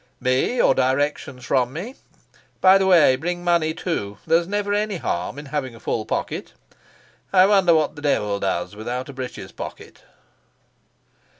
"Me, or directions from me. By the way, bring money too. There's never any harm in having a full pocket. I wonder what the devil does without a breeches pocket?"